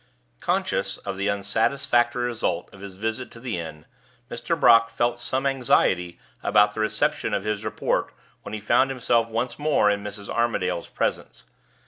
Conscious of the unsatisfactory result of his visit to the inn, Mr. Brock felt some anxiety about the reception of his report when he found himself once more in Mrs. Armadale's presence.